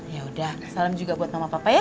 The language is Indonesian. yaudah salam juga buat nama papa ya